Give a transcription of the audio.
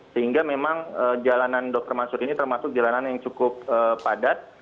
sehingga memang jalanan dr mansur ini termasuk jalanan yang cukup padat